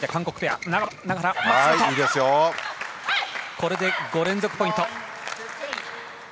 これで５連続ポイント。